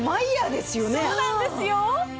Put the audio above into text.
そうなんですよ！